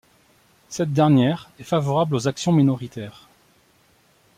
Cette dernière est favorable aux actions minoritaires.